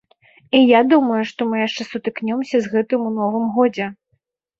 І я думаю, што мы яшчэ сутыкнёмся з гэтым у новым годзе.